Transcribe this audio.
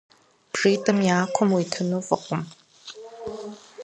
Бжитӏым я кум уитыну фӏыкъым.